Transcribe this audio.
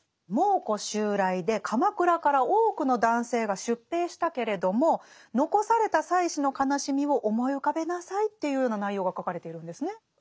蒙古襲来で鎌倉から多くの男性が出兵したけれども残された妻子の悲しみを思い浮かべなさいというような内容が書かれているんですね。